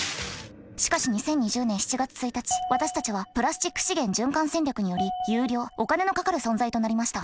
しかし２０２０年７月１日私たちはプラスチック資源循環戦略により有料お金のかかる存在となりました。